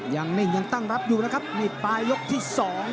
ยังนิ่งยังตั้งรับอยู่นะครับในปลายก์ยกที่สอง